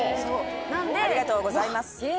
ありがとうございます。